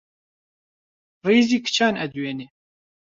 ڕیزی کچان ئەدوێنێ